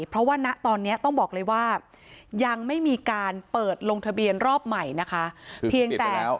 เพราะว่าณตอนนี้ต้องบอกเลยว่ายังไม่มีการเปิดลงทะเบียนรอบใหม่นะคะเพียงแต่